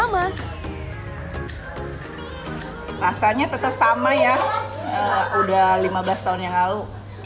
rasanya tetap sama ya udah lima belas tahun yang lalu